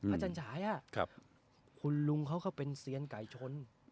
อาจารย์ฉายคุณลุงเขาก็เป็นเซียนไก่ชน